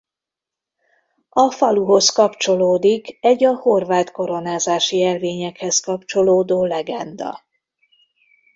A faluhoz kapcsolódik egy a horvát koronázási jelvényekhez kapcsolódó legenda.